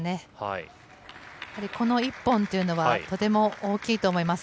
やはりこの１本というのはとても大きいと思います。